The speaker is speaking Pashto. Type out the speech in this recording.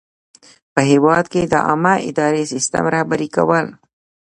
په هیواد کې د عامه اداري سیسټم رهبري کول.